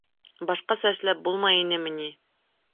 Башҡаса эшләп булмай инеме ни?